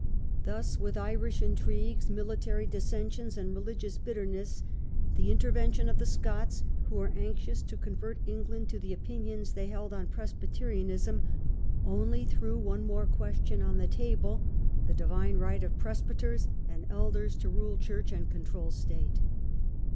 Thus, with Irish intrigues, military dissensions, and religious bitterness, the interven tion of the Scots, who were anxious to convert England to the opinions they held on Presbyterianism, only threw one more question on the table — the " divine right " of presbyters and elders to rule church and control state.